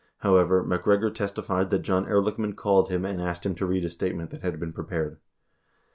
However, MacGregor testified that John Ehrlichman called him and asked him to read a statement that had been prepared.